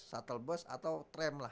shuttle bus atau tram lah